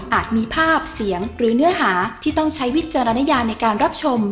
มีภาพเสียงหรือเนื้อหาที่ต้องใช้วิจารณญาในการรับชม